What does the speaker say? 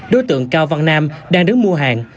đối tượng cao văn nam đang đứng mua hàng